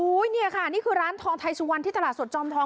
นี่ค่ะนี่คือร้านทองไทยสุวรรณที่ตลาดสดจอมทอง